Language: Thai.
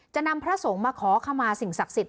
จะนำพระสงฆ์มาขอขมาสิ่งศักดิ์สิทธิ